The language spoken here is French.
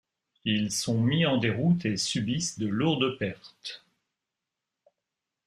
Ils sont mis en déroute et subissent de lourdes pertes.